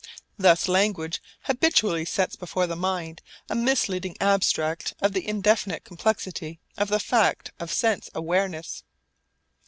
Thus language habitually sets before the mind a misleading abstract of the indefinite complexity of the fact of sense awareness.